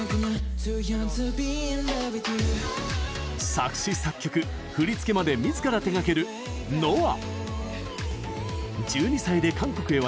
作詞・作曲、振り付けまでみずから手がけるＮＯＡ。